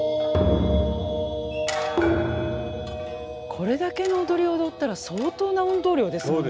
これだけの踊りを踊ったら相当な運動量ですもんね。